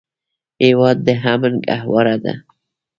هېواد د امن ګهواره ده.